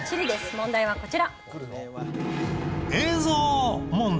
問題はこちら。